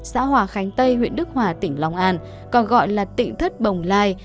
xã hòa khánh tây huyện đức hòa tỉnh long an còn gọi là tịnh thất bồng lai